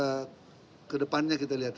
nah itu ke depannya kita lihat aja